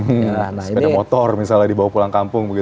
sepeda motor misalnya dibawa pulang kampung